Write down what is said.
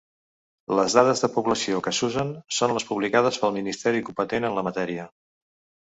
Les dades de població que s'usen són les publicades pel ministeri competent en la matèria.